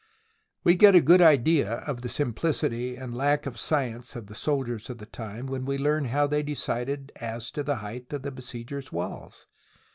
We get a good idea of the simplicity and lack of science of the soldiers of the time when we learn how they decided as to the height of the besiegers' walls.